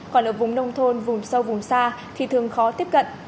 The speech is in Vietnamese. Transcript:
còn ở vùng nông thôn vùng sâu vùng xa thì thường khó tiếp cận